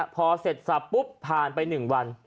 พอเสร็จสรรพ์ปุ๊บผ่านไปหนึ่งวัน